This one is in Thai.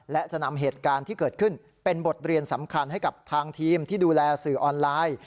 และจะนำเหตุการณ์ที่เกิดขึ้นเป็นบทเรียนสำคัญให้กับทางทีมที่ดูแลสื่อออนไลน์